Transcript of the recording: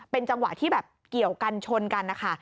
เป็นจังหวะที่แบบเกี่ยวกันชนกันนะคะ